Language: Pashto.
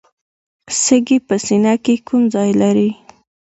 سږي په سینه کې کوم ځای لري